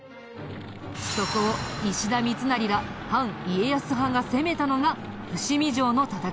そこを石田三成ら反家康派が攻めたのが伏見城の戦いなんだ。